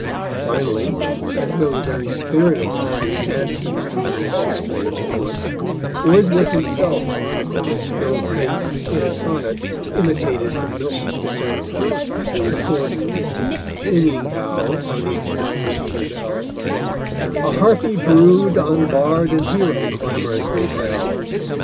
Finally, as though the very spirit of parody danced in the company of this strange poem, Wordsworth himself chronicled its ill fate in a sonnet imitated from Milton's defence of "Tetrachordon," singing how, on the appearance of Peter Bell, a harpy brood On Bard and Hero clamourously fell.